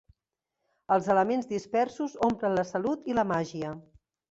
Els elements dispersos omplen la salut i la màgia.